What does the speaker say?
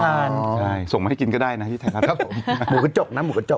ใช่ส่งมาให้กินก็ได้นะที่ไทยรัฐครับผมหมูกระจกนะหมูกระจก